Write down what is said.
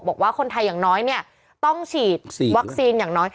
บอกว่าคนไทยอย่างน้อยเนี่ยต้องฉีดวัคซีนอย่างน้อย